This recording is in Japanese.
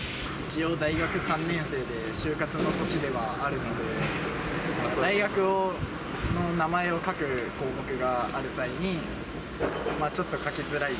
一応大学３年生で、就活の年ではあるので、大学の名前を書く項目がある際に、ちょっと書きづらい。